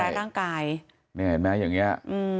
ทำร้ายร่างกาย